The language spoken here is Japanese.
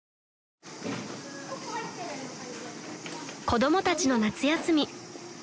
［子供たちの夏休み］